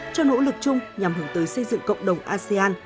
cho nỗ lực chung nhằm hướng tới xây dựng cộng đồng asean